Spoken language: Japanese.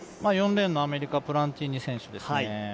４レーンのアメリカ、プランティニ選手ですね。